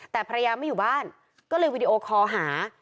แต่ภรรยาไม่อยู่บ้านก็เลยวีดีโอคอลหา